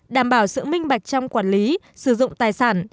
đảm bảo sự minh bạch trong quản lý sử dụng tài sản